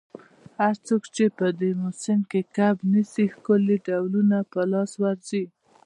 هر څوک چي په دې موسم کي کب نیسي، ښکلي ډولونه په لاس ورځي.